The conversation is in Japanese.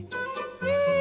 うん！